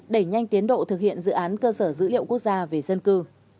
đẩy nhanh tiến độ thực hiện dự án cơ sở dữ liệu quốc gia về dân cư